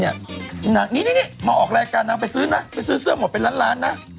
นี้นางออกรายการนางไปซื้อเมาส์เป็นร้านล้านน่ะ